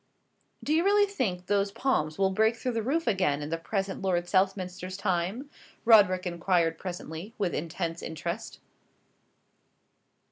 "Do you really think those palms will break through the roof again in the present Lord Southminster's time?" Roderick inquired presently, with intense interest.